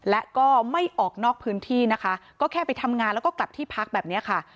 และก็ไม่ออกนอกพื้นที่นะคะก็แค่ไปทำงานแล้วก็กลับที่พักแบบนี้ค่ะ